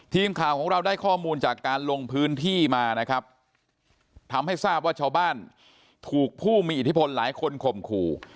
ทีมข่าวของเราได้ข้อมูลจากการลงพื้นที่มานะครับทำให้ทราบว่าชาวบ้านถูกผู้มีอิทธิพลหลายคนข่มขู่